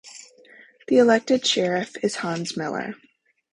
The elected sheriff is Hans Miller.